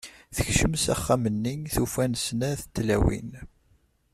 Tekcem s axxam-nni, tufa-n snat tlawin.